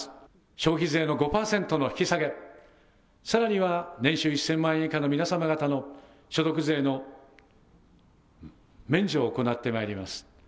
消費税の５％の引き下げ、さらには年収１０００万円以下の皆様方の所得税の免除を行ってまいります。